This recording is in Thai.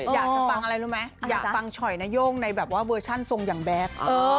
อยากจะฟังอะไรรู้ไหมอยากฟังฉ่อยนโย่งในแบบว่าเวอร์ชั่นทรงอย่างแบค